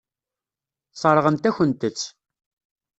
Sseṛɣen-akent-tt.